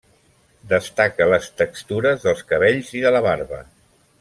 Destaca les textures dels cabells i de la barba.